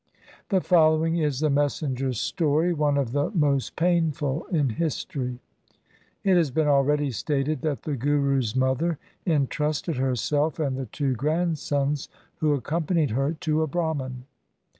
The following is the messenger's story, one of the most painful in history. It has been already stated that the Guru's mother entrusted herself and the two grandsons, who accompanied her, to a Brahman.